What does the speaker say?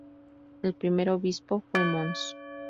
El primer obispo fue Mons.